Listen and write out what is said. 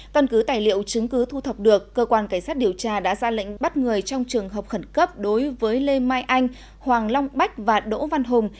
căn cứ tài liệu chứng cứ thu thập được cơ quan cảnh sát điều tra đã ra lệnh bắt người trong trường hợp khẩn cấp đối với lê mai anh hoàng long bách và đỗ văn hùng